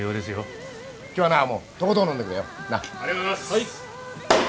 はい！